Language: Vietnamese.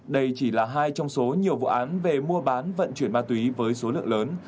đây chỉ là hai trong số nhiều vụ án về mua bán vận chuyển ma túy với số lượng lớn